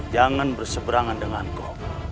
jangan berseberangan denganku